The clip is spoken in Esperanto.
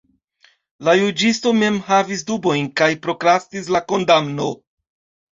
La juĝisto mem havis dubojn kaj prokrastis la kondamno.